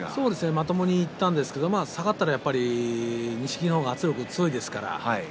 まともにいったんですけれども下がったら錦木が圧力が強いです。